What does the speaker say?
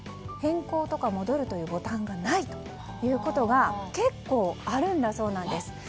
変更とか戻るというボタンがないことが結構あるんだそうなんです。